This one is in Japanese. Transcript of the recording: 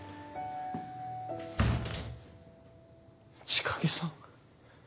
千景さん？